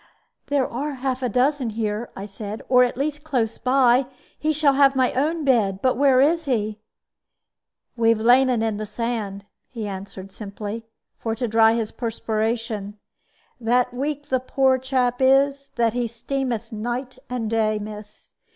"There are half a dozen here," I said; "or at least close by. He shall have my own bed. But where is he?" "We have laid 'un in the sand," he answered, simply, "for to dry his perspiration. That weak the poor chap is that he streameth night and day, miss.